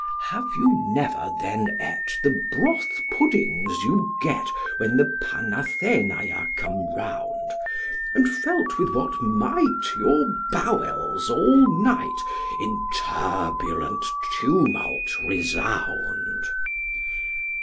Have you never then ate the broth puddings you get when the Panathenaea come round, And felt with what might your bowels all night in turbulent tumult resound STREPS.